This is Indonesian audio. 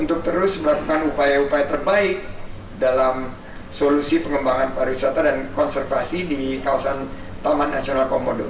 untuk terus melakukan upaya upaya terbaik dalam solusi pengembangan pariwisata dan konservasi di ktpnk